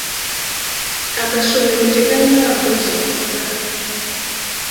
Amasomero tegalina bakozi bamala.